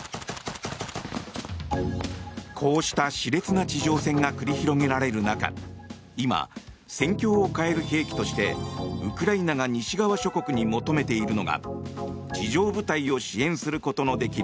こうした熾烈な地上戦が繰り広げられる中今、戦況を変える兵器としてウクライナが西側諸国に求めているのが地上部隊を支援することのできる